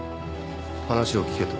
話を聞けと？